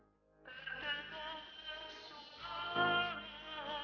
ni juga sangat mendi ini waktunya